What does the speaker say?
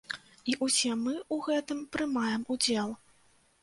І ўсе мы ў гэтым прымаем удзел.